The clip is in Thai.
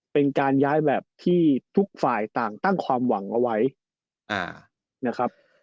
เป็นการย้ายแบบที่ทุกฝ่ายต่างตั้งความหวังเอาไว้นะครับ